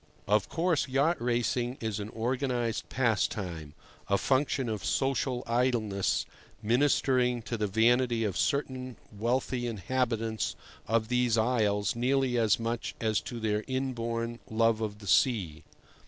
Of course, yacht racing is an organized pastime, a function of social idleness ministering to the vanity of certain wealthy inhabitants of these isles nearly as much as to their inborn love of the sea.